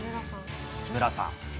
木村さん。